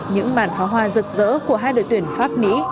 những màn pháo hoa rực rỡ của hai đội tuyển pháp mỹ